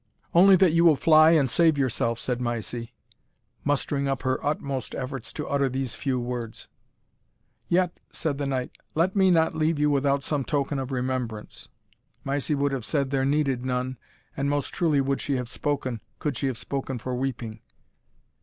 "Only that you will fly and save yourself," said Mysie, mustering up her utmost efforts to utter these few words. "Yet," said the knight, "let me not leave you without some token of remembrance." Mysie would have said there needed none, and most truly would she have spoken, could she have spoken for weeping.